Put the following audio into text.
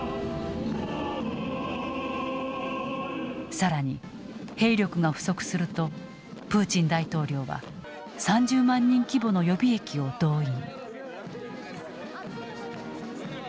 更に兵力が不足するとプーチン大統領は３０万人規模の予備役を動員。